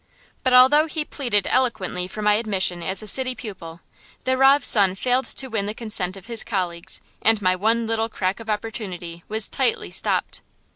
But although he pleaded eloquently for my admission as a city pupil, the rav's son failed to win the consent of his colleagues, and my one little crack of opportunity was tightly stopped.